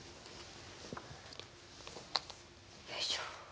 よいしょ。